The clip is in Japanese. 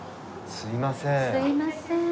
すいません。